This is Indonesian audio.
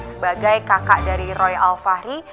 sebagai kakak dari roy alfahri